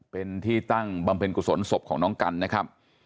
เป็นที่ตั้งบำเพ็ญกุศลศพของน้องกันนะครับ